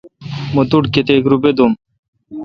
مہ توٹھ کیتیک روپہ دوم۔